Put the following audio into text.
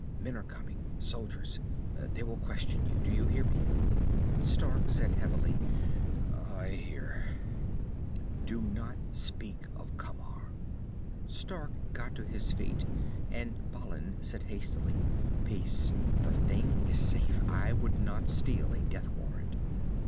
Men are coming. Soldiers. They will question you. Do you hear me?" Stark said heavily, "I hear." "Do not speak of Camar!" Stark got to his feet, and Balin said hastily, "Peace! The thing is safe. I would not steal a death warrant!"